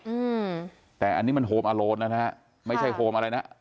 อืมแต่อันนี้มันโฮมอาโลนนะฮะไม่ใช่โฮมอะไรนะ